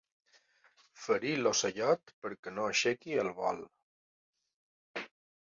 Ferir l'ocellot perquè no aixequi el vol.